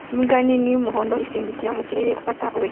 Imbwa nini y'umuhondo isimbukira mu kirere gufata we